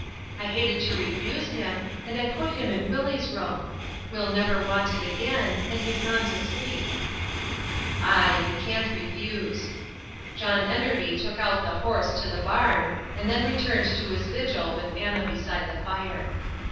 I hated to refuse him, and I put him in Willie's room. We'll never want it again, and he's gone to sleep." "Ay, we can't refuse." John Enderby took out the horse to the barn, and then returned to his vigil with Anna beside the fire.